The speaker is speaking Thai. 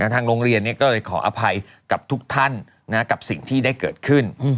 ทางโรงเรียนก็เลยขออภัยกับทุกท่านกับสิ่งที่ได้เกิดขึ้น